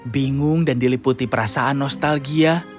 bingung dan diliputi perasaan nostalgia